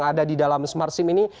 ada di dalam smart sim ini